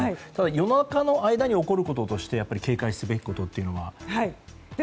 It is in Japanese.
夜中の間に起こることとして警戒すべきことというのは？